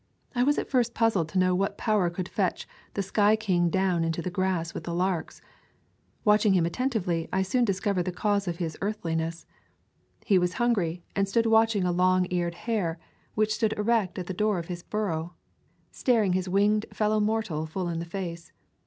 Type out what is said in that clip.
I was at first puzzled to know what power could fetch the sky king down into the grass with the larks. Watching him attentively, I soon discovered the cause of his earthiness. He was hungry and stood watching a long [ 200 ] Twenty Hill Hollow eared hare, which stood erect at the door of his burrow, staring his winged fellow mortal full in the face.